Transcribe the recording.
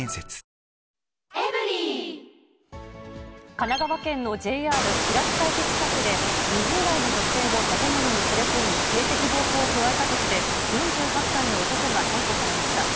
神奈川県のＪＲ平塚駅近くで、２０代の女性を建物に連れ込み、性的暴行を加えたとして、４８歳の男が逮捕されました。